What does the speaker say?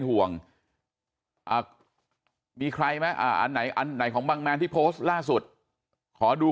ห่วงมีใครไหมอันไหนอันไหนของบังแมนที่โพสต์ล่าสุดขอดู